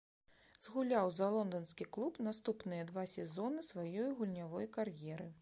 Згуляў за лонданскі клуб наступныя два сезоны сваёй гульнявой кар'еры.